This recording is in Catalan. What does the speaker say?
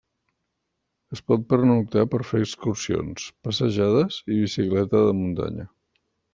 Es pot pernoctar per fer excursions, passejades i bicicleta de muntanya.